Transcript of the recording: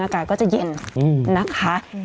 อากาศก็จะเย็นนะคะ